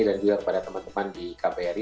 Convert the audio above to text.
dan juga kepada teman teman di kbr